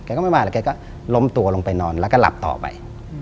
ก็ไม่มาแล้วแกก็ล้มตัวลงไปนอนแล้วก็หลับต่อไป